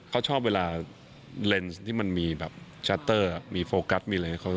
เขาชอบเวลาเลนส์ที่มันมีแบบชัตเตอร์มีโฟกัสมีอะไร